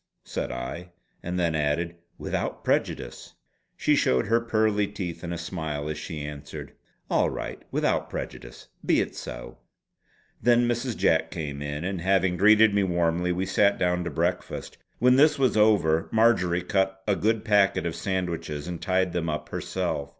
said I, and then added: "Without prejudice!" She showed her pearly teeth in a smile as she answered: "All right. Without prejudice! Be it so!" Then Mrs. Jack came in, and having greeted me warmly, we sat down to breakfast. When this was over, Marjory cut a good packet of sandwiches and tied them up herself.